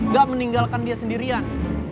ga meninggalkan dia sendirian